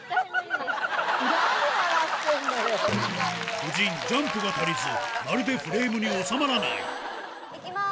夫人ジャンプが足りずまるでフレームに収まらない行きます！